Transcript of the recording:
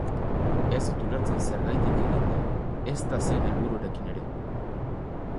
Ez dut ulertzen zergaitik egin den, ezta zein helbururekin ere.